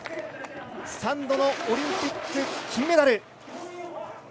３度のオリンピック、金メダル。